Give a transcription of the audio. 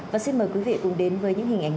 và xin mời quý vị cùng đến với những hình ảnh